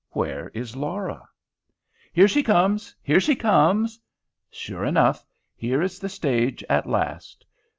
Where is Laura? "Here she comes! here she comes!" Sure enough! Here is the stage at last.